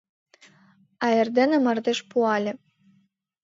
А эрдене мардеж пуале.